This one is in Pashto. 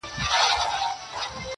هغه شپه مي ټوله سندريزه وه.